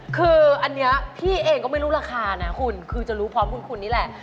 คืออันนี้พี่เองก็ไม่รู้ราคานะคุณคือจะรู้พร้อมคุณนี่แหละ